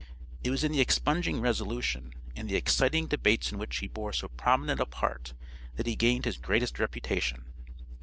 It was in the Expunging Resolution and the exciting debates in which he bore so prominent a part that he gained his greatest reputation.